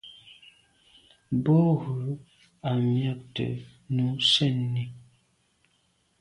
Bo ghù à miagte nu sènni.